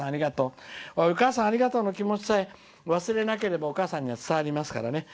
お母さん、ありがとうの気持ちさえ忘れなければお母さんには伝わりますからね。